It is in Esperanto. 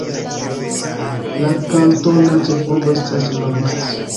La kantona ĉefurbo estas Le Mars.